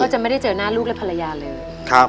ก็จะไม่ได้เจอน่านลูกและภรรยาเลยครับ